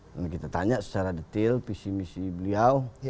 kita tanya secara detail visi misi beliau